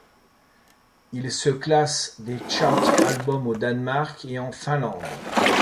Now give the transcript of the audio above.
Il se classe des charts album au Danemark et en Finlande.